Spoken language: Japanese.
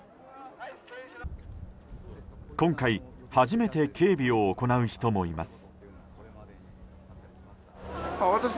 今回初めて警備を行う人もいます。